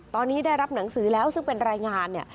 ตอนนี้ได้รับหนังสือแล้วซึ่งเป็นรายงานเนี่ย